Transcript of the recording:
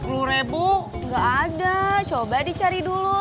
nggak ada coba dicari dulu